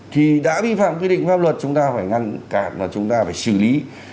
thì đã vi phạm quy định pháp luật chúng ta phải ngăn cản và chúng ta phải xử lý